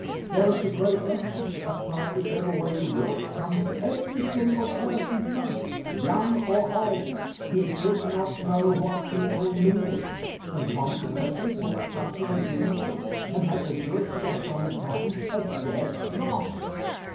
There was the great lesson. Apply it whichever way you will it comes to every single person's life, young or old. He did not know what people needed, and consequently bought something they didn't want and had the goods left on his hands a dead loss.